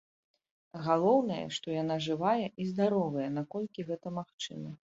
Галоўнае, што яна жывая і здаровая, наколькі гэта магчыма.